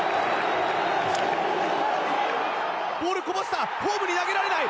ボールをこぼしたホームに投げられない。